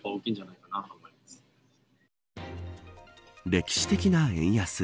歴史的な円安。